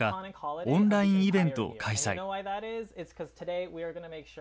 オンラインイベントを開催。